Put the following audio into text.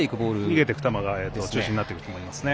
逃げていく球が中心になっていくと思いますね。